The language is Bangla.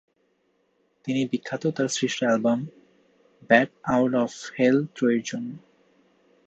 তিনি বিখ্যাত তার সৃষ্ট album "bat out of hell" ত্রয়ীর জন্য।